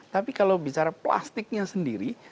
tapi kalau bicara plastiknya sendiri